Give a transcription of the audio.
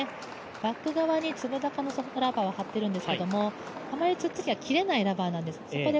バック側にラバーを張ってるんですけれども、あまりつっつくときは、切れないラバーなんです。